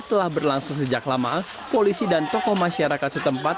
telah berlangsung sejak lama polisi dan tokoh masyarakat setempat